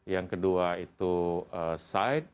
yang kedua itu sight